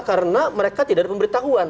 karena mereka tidak ada pemberitahuan